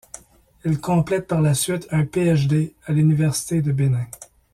Elle complète par la suite un PhD à l'université du Bénin.